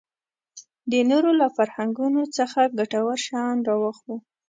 د نورو له فرهنګونو څخه ګټور شیان راواخلو.